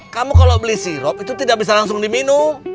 kamu kalau beli sirup itu tidak bisa langsung diminum